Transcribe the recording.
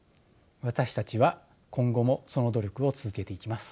私たちは今後もその努力を続けていきます。